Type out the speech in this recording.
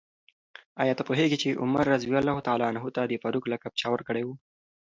آیا ته پوهېږې چې عمر رض ته د فاروق لقب چا ورکړی و؟